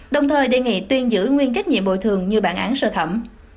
đồng thời đề nghị tuyên giữ nguyên trách nhiệm bồi thường như bản án sơ thẩm